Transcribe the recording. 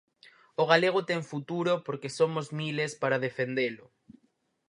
O galego ten futuro porque somos miles para defendelo.